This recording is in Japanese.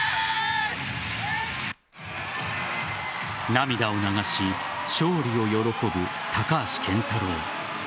涙を流し勝利を喜ぶ高橋健太郎。